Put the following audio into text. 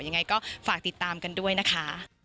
ยังไงก็ฝากติดตามกันด้วยนะคะ